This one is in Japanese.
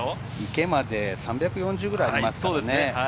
池まで３４０くらいありますからね。